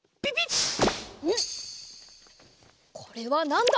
これはなんだ？